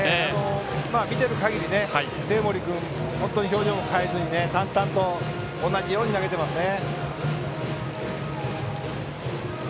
見ている限り生盛君、表情を変えずに淡々と同じように投げていますね。